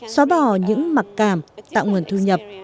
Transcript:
xóa bỏ những mặc cảm tạo nguồn thu nhập